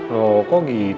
loh kok gitu